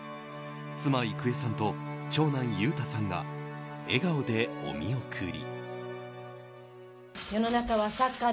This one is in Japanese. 妻・郁恵さんと長男・裕太さんが笑顔でお見送り。